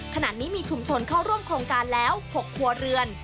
ขณะนี้มีชุมชนเข้าร่วมโครงการแล้ว๖ครัวเรือน